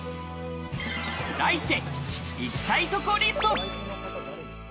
題して、行きたいとこリスト。